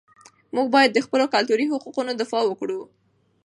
موږ باید د خپلو کلتوري حقوقو دفاع وکړو.